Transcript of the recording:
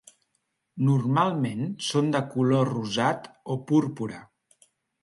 Normalment són de color rosat o púrpura.